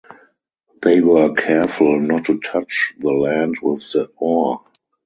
They were careful not to touch the land with the oar.